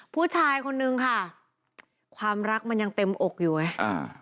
ผู้ชายคนนึงค่ะความรักมันยังเต็มอกอยู่ไงอ่า